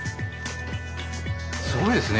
すごいですね。